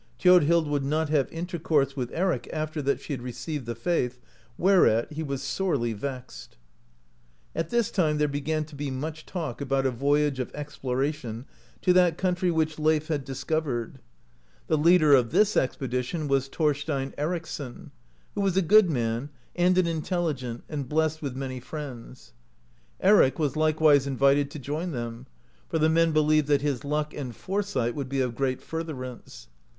Thiodhild would not have intercourse with Eric after that she had received the faith, whereat he was sorely vexed At this time there began to be much talk about a voy age of exploration to that country which Leif had dis 42 THORSTEiN ERICSSON PLANS AN EXPEDITION covered. The leader of this expedition was Thorstein Ericsson, who was a good man and an intelligent, and blessed with many friends. Eric was h'kewise invited to join them, for the men beh^eved that his luck and fore sight would be of great furtherance.